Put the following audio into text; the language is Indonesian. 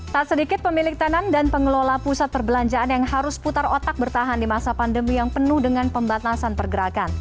tak sedikit pemilik tenan dan pengelola pusat perbelanjaan yang harus putar otak bertahan di masa pandemi yang penuh dengan pembatasan pergerakan